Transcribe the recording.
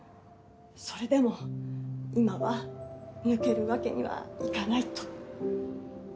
それでも今は抜けるわけにはいかないと。